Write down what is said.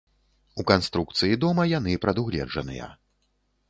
У канструкцыі дома яны прадугледжаныя.